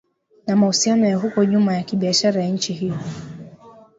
na mahusiano ya huko nyuma ya kibiashara na nchi hiyo